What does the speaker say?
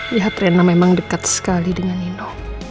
lihat rena memang dekat sekali dengan nino